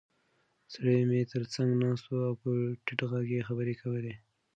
سړی مې تر څنګ ناست و او په ټیټ غږ یې خبرې کولې.